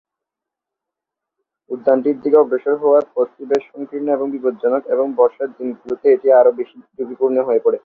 উদ্যানটি দিকে অগ্রসর হওয়ার পথটি বেশ সংকীর্ণ এবং বিপজ্জনক এবং বর্ষার দিনগুলিতে এটি আরও বেশি ঝুঁকিপূর্ণ হয়ে পড়ে।